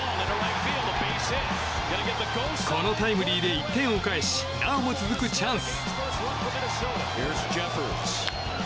このタイムリーで１点を返しなおも続くチャンス。